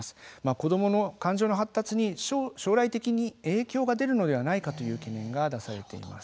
子どもの感情の発達に将来的に影響が出るのではないかという懸念が出されています。